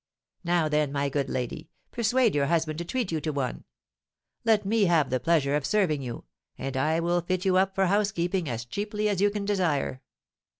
Now, then, my good lady, persuade your husband to treat you to one. Let me have the pleasure of serving you, and I will fit you up for housekeeping as cheaply as you can desire.